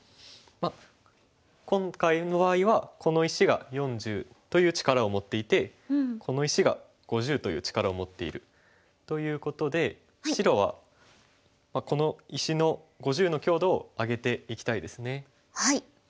まあ今回の場合はこの石が４０という力を持っていてこの石が５０という力を持っているということで白はこの石の５０の強度を上げていきたいですね。